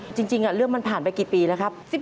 จริงเรื่องมันผ่านไปกี่ปีแล้วครับ